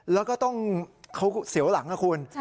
แล้วก็ต้องเขาเสียวหลังนะคุณ